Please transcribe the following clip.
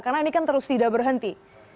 karena ini kan terus tidak berhenti